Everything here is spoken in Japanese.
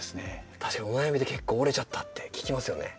確かにお悩みで結構折れちゃったって聞きますよね。